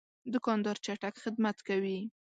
دوکاندار چټک خدمت کوي.